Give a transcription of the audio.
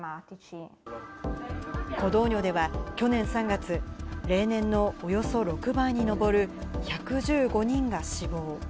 コドーニョでは去年３月、例年のおよそ６倍に上る、１１５人が死亡。